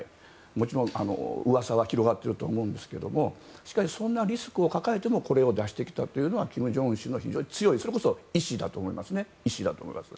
もちろん噂は広がっていると思いますがしかし、そんなリスクを抱えてもこれを出してきたということは金正恩氏の強い意志だと思いますね。